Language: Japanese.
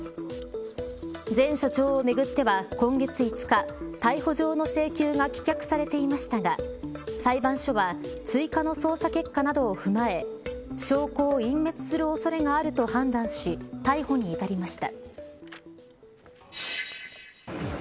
前署長をめぐっては、今月５日逮捕状の請求が棄却されていましたが裁判所は追加の捜査結果などを踏まえ証拠を隠滅する恐れがあると判断し逮捕に至りました。